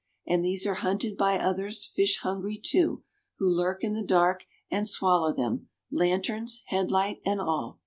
And these are hunted by others fish hungry, too, who lurk in the dark and swallow them, lanterns, head light and all!